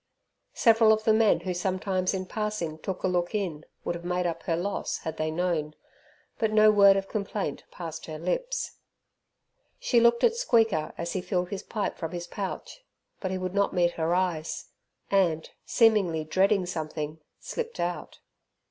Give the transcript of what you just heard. Several of the men who sometimes in passing took a look in, would have made up her loss had they known, but no word of complaint passed her lips. She looked at Squeaker as he filled his pipe from his pouch, but he would not meet her eyes, and, seemingly dreading something, slipped out.